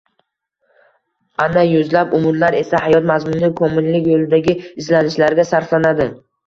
ana yuzlab umrlar esa, hayot mazmuni — komillik yo‘lidagi izlanishlarga sarflanadi;